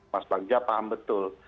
mas bagja paham betul